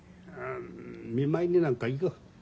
見舞いになんか行かん。